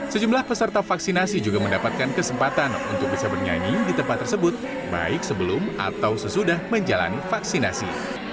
sejumlah peserta vaksinasi juga mendapatkan kesempatan untuk bisa bernyanyi di tempat tersebut baik sebelum atau sesudah menjalani vaksinasi